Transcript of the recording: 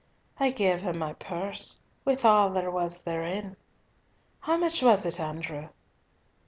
I gave him my purse, with all there was therein. How much was it, Andrew?"